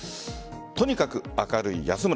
とにかく明るい安村。